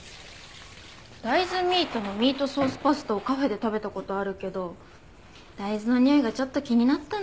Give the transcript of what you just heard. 大豆ミートのミートソースパスタをカフェで食べた事あるけど大豆のにおいがちょっと気になったんだよなあ。